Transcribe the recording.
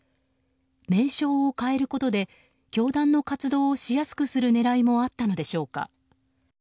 名称を変えることで教団の活動をしやすくする狙いもあったのでしょうか。